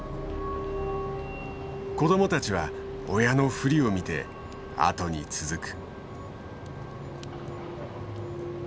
子供たちは親の振りを見てあとに続く。